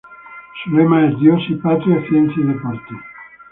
Su lema es ""Dios y patria, ciencia y deporte"".